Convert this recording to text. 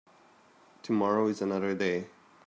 Tomorrow is another day.